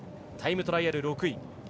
タイムトライアル６位。